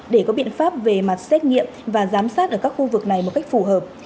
để có biện pháp về mặt xét nghiệm và giám sát ở các khu vực này một cách phù hợp